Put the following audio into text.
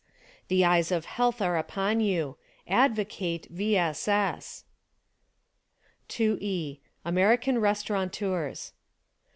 The eyes of health are upon you. Advocate — V. S. S. 2E. American Restaurateurs.